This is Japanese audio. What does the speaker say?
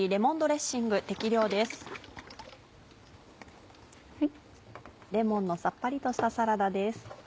レモンのさっぱりとしたサラダです。